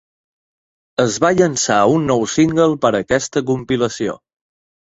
Es va llançar un nou single per aquesta compilació.